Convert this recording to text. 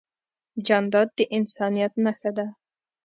جانداد د انسانیت نښه ده.